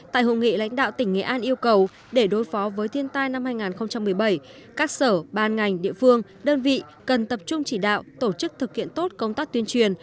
tại hội nghị lãnh đạo tỉnh nghệ an yêu cầu để đối phó với thiên tai năm hai nghìn một mươi bảy các sở ban ngành địa phương đơn vị cần tập trung chỉ đạo tổ chức thực hiện tốt công tác tuyên truyền